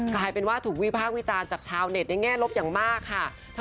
กลายเป็นว่าถูกวิพากษ์วิจารณ์จากชาวเน็ตในแง่ลบอย่างมากค่ะ